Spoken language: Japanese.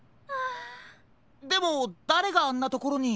でもだれがあんなところに？